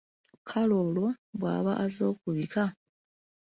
Kale olwo bwaba azze kubika?